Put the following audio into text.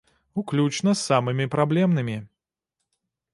Уключна з самымі праблемнымі.